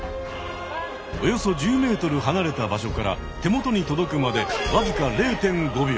およそ１０ｍはなれた場所から手元に届くまでわずか０．５秒。